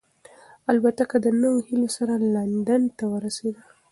الوتکه د نویو هیلو سره لندن ته ورسېده.